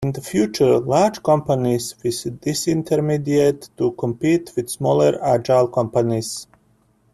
In the future, large companies will dis-intermediate to compete with smaller agile companies.